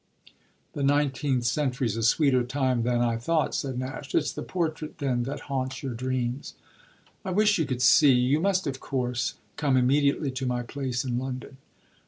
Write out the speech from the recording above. '" "The nineteenth century's a sweeter time than I thought," said Nash. "It's the portrait then that haunts your dreams?" "I wish you could see. You must of course come immediately to my place in London."